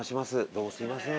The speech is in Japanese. どうもすいません。